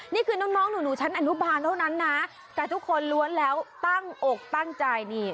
นี่คือน้องหนูชั้นอนุบาลเท่านั้นนะแต่ทุกคนล้วนแล้วตั้งอกตั้งใจนี่